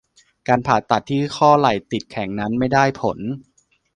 การผ่าตัดที่ข้อไหล่ติดแข็งนั้นไม่ได้ผล